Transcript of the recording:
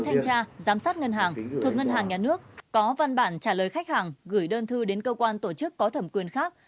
thanh tra giám sát ngân hàng thuộc ngân hàng nhà nước có văn bản trả lời khách hàng gửi đơn thư đến cơ quan tổ chức có thẩm quyền khác